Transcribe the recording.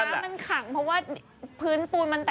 น้ำมันขังเพราะว่า